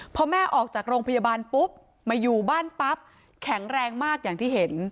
พอแม่ออกจากโรงพยาบาลปุ๊บมาอยู่บ้านปั๊บแข็งแรงมากอย่างที่เห็น